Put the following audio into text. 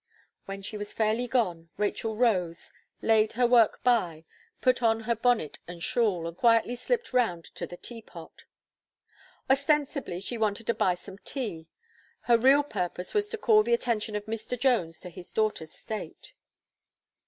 When she was fairly gone, Rachel rose, laid her work by, put on her bonnet and shawl, and quietly slipped round to the Teapot: ostensibly, she wanted to buy some tea: her real purpose was to call the attention of Mr. Jones to his daughter's state.